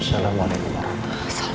assalamualaikum warahmatullahi wabarakatuh